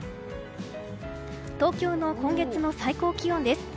東京の今月の最高気温です。